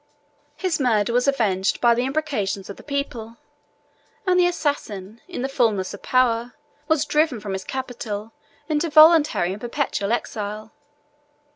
1111 His murder was avenged by the imprecations of the people, and the assassin, in the fullness of power, was driven from his capital into voluntary and perpetual exile.